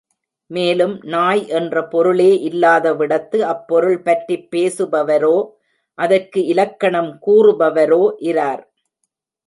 மேலும் நாய் என்ற பொருளே இல்லாதவிடத்து, அப்பொருள் பற்றிப் பேசுபவரோ, அதற்கு இலக்கணம் கூறுபவரோ இரார்.